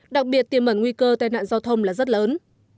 đặc biệt tiềm mẩn nguy cơ tai nạn giao thông là rất lớn